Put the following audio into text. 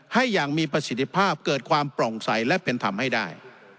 ให้อย่างมีประสิทธิภาพเกิดความปล่องใสและเป็นธรรมให้ได้